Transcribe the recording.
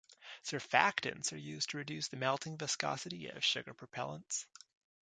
Surfactants are used to reduce the melting viscosity of sugar propellants.